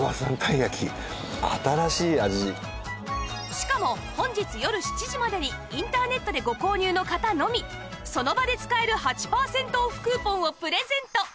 しかも本日よる７時までにインターネットでご購入の方のみその場で使える８パーセントオフクーポンをプレゼント！